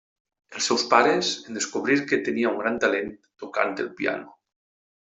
Els seus pares, en descobrir que tenia un gran talent tocant el piano.